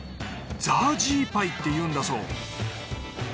ザージーパイっていうんだそう。